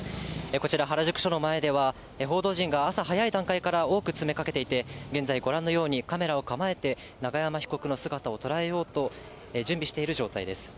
こちら、原宿署の前では、報道陣が朝早い段階から多く詰めかけていて、現在、ご覧のように、カメラを構えて、永山被告の姿を捉えようと準備している状態です。